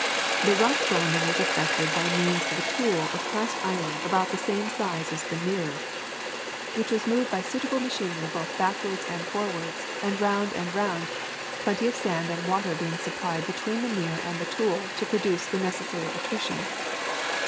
The rough grinding was effected by means of a tool of cast iron about the same size as the mirror, which was moved by suitable machinery both backwards and forwards, and round and round, plenty of sand and water being supplied between the mirror and the tool to produce the necessary attrition.